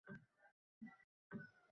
Bir soʻz qoldi menda. Xayr bir Soʻzim.